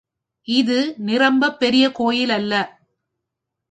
இது நிரம்பப் பெரிய கோயில் அல்ல.